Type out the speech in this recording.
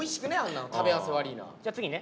次ね。